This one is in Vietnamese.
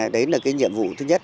đấy là cái nhiệm vụ thứ nhất